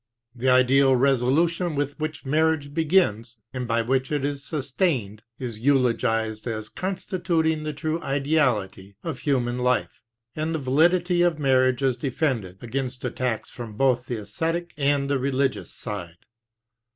The ideal resolution with which marriage begins, and by which it is sustained, is eulogized as constituting the true ideality of human life; and the validity of marriage is defended against attacks from both the esthetic and the religious side.